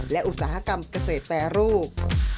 และอุตสาหกรรมเกษตรแปรรูป